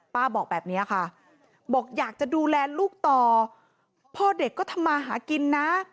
บอกแบบนี้ค่ะบอกอยากจะดูแลลูกต่อพ่อเด็กก็ทำมาหากินนะ